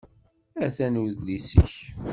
Atan udlis-ik.